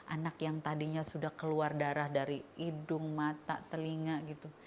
anak yang tadinya sudah keluar darah dari hidung mata telinga gitu